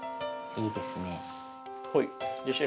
いいですね。